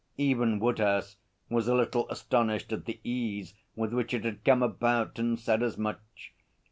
Even Woodhouse was a little astonished at the ease with which it had come about, and said as much.